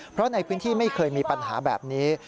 เพราะในพื้นที่ไม่เคยมีปัญหาแบบนี้